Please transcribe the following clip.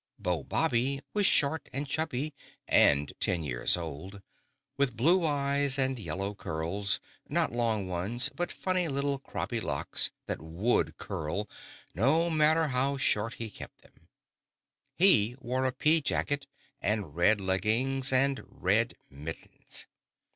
Beau Bobby was short and chubby, and ten years old, with blue eyes and yellow curls (not long ones, but funny little croppy locks that would curl, no matter how short he kept them). He wore a pea jacket, and red leggings and red mittens.